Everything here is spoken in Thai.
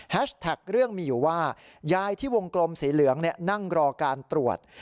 แท็กเรื่องมีอยู่ว่ายายที่วงกลมสีเหลืองนั่งรอการตรวจ